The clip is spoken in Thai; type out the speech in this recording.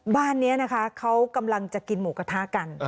บ้านนี้นะคะเขากำลังจะกินหมูกระทะกัน